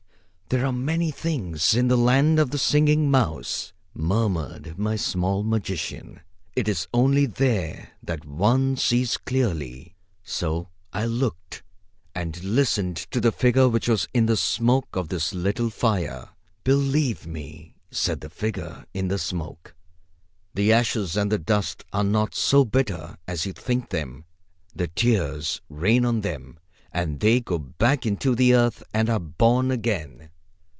"There are many things in the land of the Singing Mouse," murmured my small magician. "It is only there that one sees clearly." So I looked and listened to the figure which was in the smoke of the little fire. "Believe me," said the figure in the smoke, "the ashes and the dust are not so bitter as you think them. The tears rain on them, and they go back into the earth and are born again.